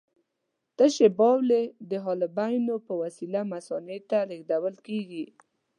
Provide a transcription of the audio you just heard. تشې بولې د حالبیونو په وسیله مثانې ته لېږدول کېږي.